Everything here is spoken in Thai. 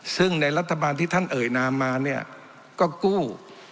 ซึ่งในรัฐบาลที่ท่านเอ่ยนามมาเนี่ยก็กู้